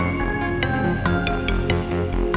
yang rambutnya pendek